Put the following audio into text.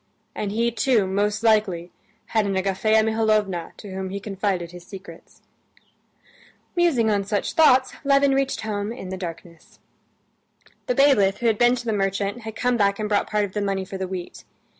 And he too, most likely, had an Agafea Mihalovna to whom he confided his secrets." Musing on such thoughts Levin reached home in the darkness. The bailiff, who had been to the merchant, had come back and brought part of the money for the wheat.